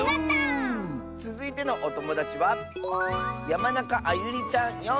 つづいてのおともだちはあゆりちゃんの。